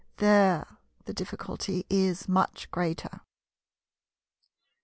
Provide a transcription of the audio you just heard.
There the difficulty is much greater.